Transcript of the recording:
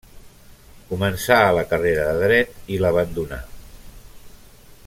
Començà la carrera de Dret i l'abandonà.